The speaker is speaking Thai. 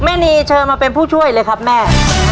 แม่นีเชิญมาเป็นผู้ช่วยเลยครับแม่